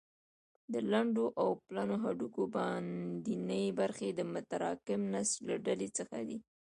د لنډو او پلنو هډوکو باندنۍ برخې د متراکم نسج له ډلې څخه دي.